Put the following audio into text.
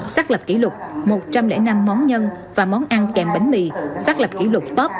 xác lập kỷ lục một trăm linh năm món nhân và món ăn kèm bánh mì xác lập kỷ lục top